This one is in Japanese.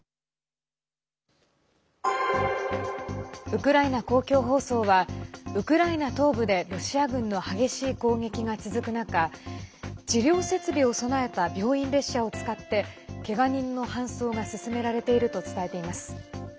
ウクライナ公共放送はウクライナ東部でロシア軍の激しい攻撃が続く中治療設備を備えた病院列車を使ってけが人の搬送が進められていると伝えています。